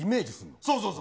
そうそうそう。